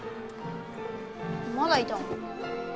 まだいたの？